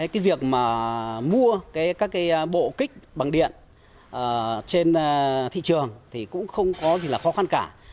cái việc mà mua các cái bộ kích bằng điện trên thị trường thì cũng không có gì là khó khăn cả